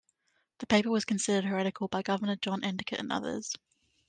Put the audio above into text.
The paper was considered heretical by Governor John Endicott and others.